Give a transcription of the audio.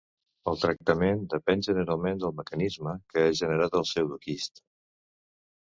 El tractament depèn generalment del mecanisme que ha generat el pseudoquist.